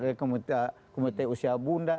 kemudian kemudian kemudian usia bunda